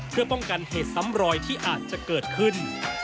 เพื่อป้องกันเหตุซ้ำรอยที่อาจจะเกิดขึ้น